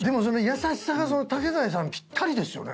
優しさが竹財さんぴったりですよね。